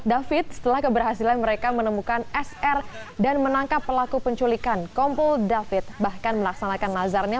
david setelah keberhasilan mereka menemukan sr dan menangkap pelaku penculikan kompol david bahkan melaksanakan nazarnya